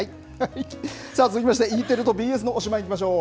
さあ、続きましてＥテレとＢＳの推しバン！いきましょう。